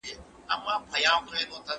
ته ولې کار کوې!.